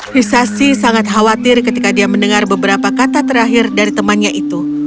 hisashi sangat khawatir ketika dia mendengar beberapa kata terakhir dari temannya itu